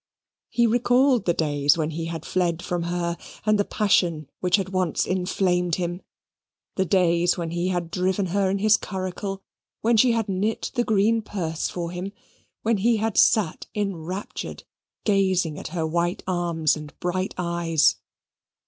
He recalled the days when he had fled from her, and the passion which had once inflamed him the days when he had driven her in his curricle: when she had knit the green purse for him: when he had sate enraptured gazing at her white arms and bright eyes.